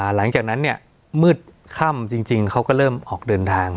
หลังจากนั้นเนี่ยมืดค่ำจริงเขาก็เริ่มออกเดินทาง